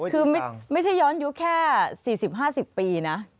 คือไม่ใช่ย้อนยุคแค่๔๐๕๐ปีนะ